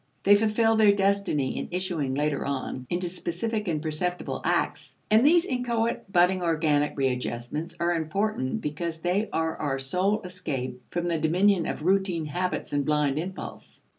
They fulfill their destiny in issuing, later on, into specific and perceptible acts. And these inchoate, budding organic readjustments are important because they are our sole escape from the dominion of routine habits and blind impulse.